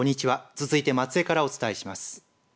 続いて松江からお伝えします。